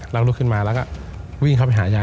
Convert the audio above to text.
เราก็ลุกกันมาแล้ววิ่งไปหายา